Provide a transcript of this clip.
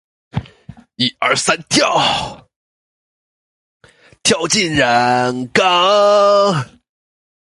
一二三跳！跳进染缸！